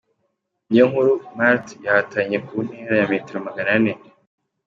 Niyonkuru Marthe yahatanye mu ntera ya metero magana ane.